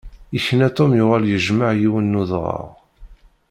Yekna Tom yuɣal yejmeɛ yiwen n udɣaɣ.